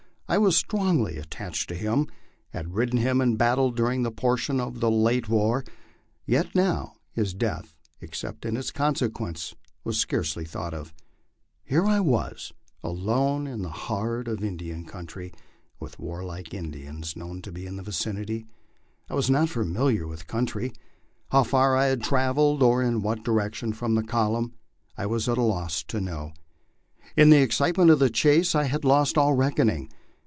I was strongly attached to him ; had ridden him in battle during a portion of the late war ; yet now his death, except in its consequences, was scarcely thought of. Here I was, alone in the heart of the Indian country, with warlike Indians known to be in the vicinity. I was not familiar with the country. How far I had travelled, or in what direction from the column, I was at a loss to know. In the excitement of the chase I had lost all reckoning.